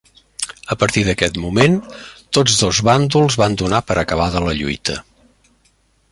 A partir d'aquest moment, tots dos bàndols van donar per acabada la lluita.